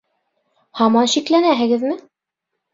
Һаман шикләнәһегеҙме?